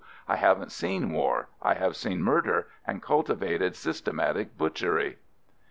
I have n't seen war — I have seen murder and cultivated, systematic butchery."